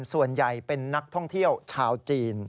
ส่วนใหญ่เป็นนักท่องเที่ยวชาวจีน